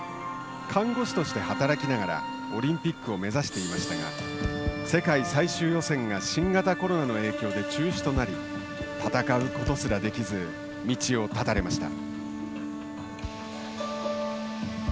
看護師として働きながらオリンピックを目指していましたが世界最終予選が新型コロナの影響で中止となり戦うことすらできず道を断たれました。